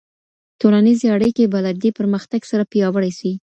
ټولنیزې اړیکې به له دې پرمختګ سره پیاوړې سي.